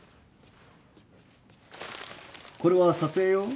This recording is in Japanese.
これは撮影用？